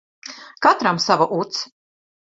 Katram sava uts.